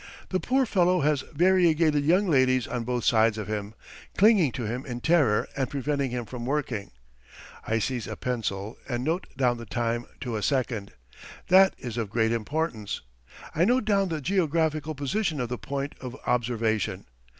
The poor fellow has variegated young ladies on both sides of him, clinging to him in terror and preventing him from working. I seize a pencil and note down the time to a second. That is of great importance. I note down the geographical position of the point of observation.